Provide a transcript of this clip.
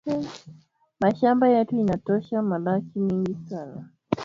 Mashamba yetu ina tosha malaki mingi sana